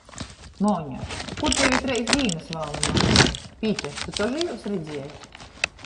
Moņa, kur tevi treis dīnys valni nosuoja? Pīter, tu tože jūs redzieji??